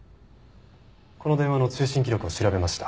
この電話の通信記録を調べました。